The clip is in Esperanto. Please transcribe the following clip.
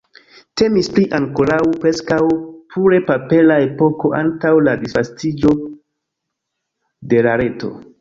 Temis pri ankoraŭ preskaŭ pure papera epoko antaŭ la disvastiĝo de la reto.